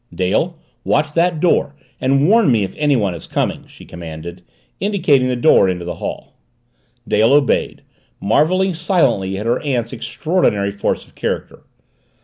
"Dale, watch that door and warn me if anyone is coming!" she commanded, indicating the door into the hall. Dale obeyed, marveling silently at her aunt's extraordinary force of character.